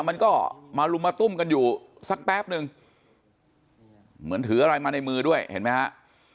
มันก็มาลุมมาตุ้มกันอยู่สักแป๊บนึงเหมือนถืออะไรมาในมือด้วยเห็นไหมฮะ